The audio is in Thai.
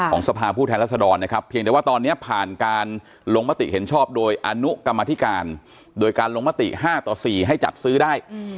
สภาพผู้แทนรัศดรนะครับเพียงแต่ว่าตอนนี้ผ่านการลงมติเห็นชอบโดยอนุกรรมธิการโดยการลงมติ๕ต่อ๔ให้จัดซื้อได้